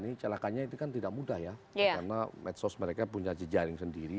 ini celakanya itu kan tidak mudah ya karena medsos mereka punya jejaring sendiri